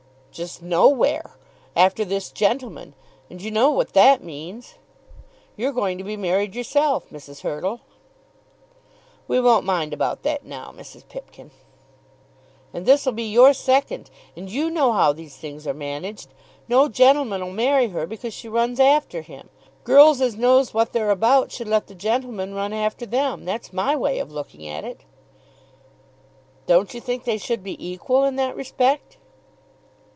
"Just nowhere. After this gentleman, and you know what that means! You're going to be married yourself, Mrs. Hurtle." "We won't mind about that now, Mrs. Pipkin." "And this 'll be your second, and you know how these things are managed. No gentleman 'll marry her because she runs after him. Girls as knows what they're about should let the gentlemen run after them. That's my way of looking at it." "Don't you think they should be equal in that respect?"